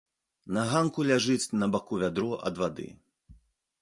На ганку ляжыць на баку вядро ад вады.